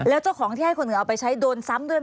แล้วเจ้าของที่ให้คุณเอาไปใช้โดน